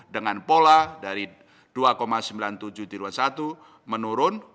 dengan pola dari dua sembilan puluh tujuh triliunan satu menurun